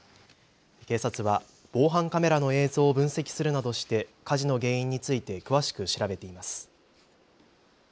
警察は防犯カメラの映像を分析するなどして火事の原因について詳しく調べています。